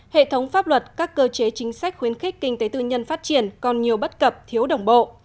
hệ thống pháp luật các cơ chế chính sách khuyến khích kinh tế tư nhân phát triển còn nhiều bất cập thiếu đồng bộ